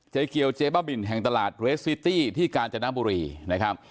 เกี่ยวเจ๊บ้าบินแห่งตลาดเรสซิตี้ที่กาญจนบุรีนะครับ